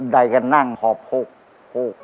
ได้ก็นั่งหอพกพก